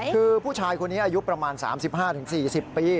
คือผู้ชายคนนี้อายุประมาณ๓๕๔๐ปี